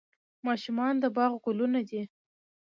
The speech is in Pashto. ماشومان د باغ ګلونه دي